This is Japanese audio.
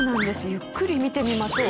ゆっくり見てみましょう。